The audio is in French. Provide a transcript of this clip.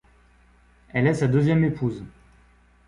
Elle est sa deuxième épouse.